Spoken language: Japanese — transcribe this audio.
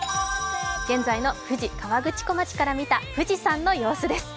現在の富士河口湖町から見た富士山の様子です。